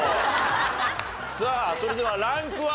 さあそれではランクは？